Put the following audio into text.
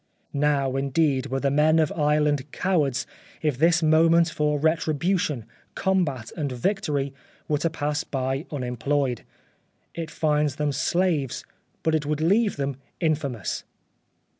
" Now, indeed, were the men of Ireland cowards if this moment for retribution, combat, and victory, were to pass by unemployed. It finds them slaves, but it would leave them in famous.